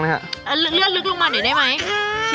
เลือดลึกลงมาหน่อยได้ไหม